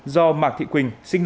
do mạc thị quỳnh sinh ra